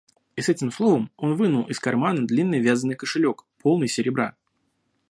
И с этим словом он вынул из кармана длинный вязаный кошелек, полный серебра.